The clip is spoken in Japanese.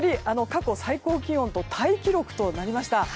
過去最高気温とタイ記録となりました。